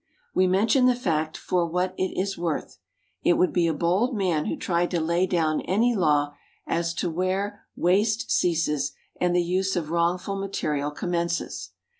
We mention the fact for what it is worth. It would be a bold man who tried to lay down any law as to where waste ceases and the use of wrongful material commences.